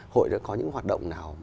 hội đã có những hoạt động nào